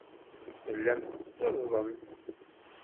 Tellamt tetteẓẓlemt.